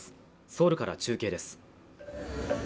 ソウルから中継です